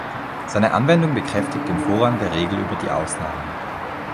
Seine Anwendung bekräftigt den Vorrang der Regel über die Ausnahme.